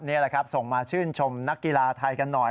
นี่แหละครับส่งมาชื่นชมนักกีฬาไทยกันหน่อย